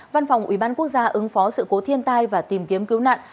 văn phòng ủy ban quốc gia ứng phó sự cố thiên tai và tìm kiếm cứu nạn